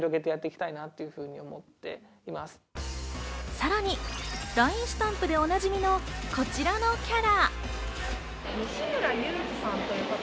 さらにＬＩＮＥスタンプでおなじみのこちらのキャラ。